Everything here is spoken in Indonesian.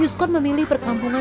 yuskon memilih perkampungan